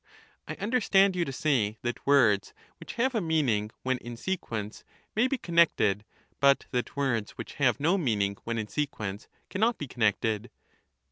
I understand you to say that words which have a connected, meaning when in sequence may be connected, but that words which have no meaning when in sequence cannot be con nected